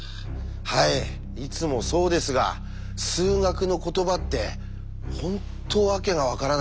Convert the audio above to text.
はいいつもそうですが数学の言葉って本当訳が分からないですよね。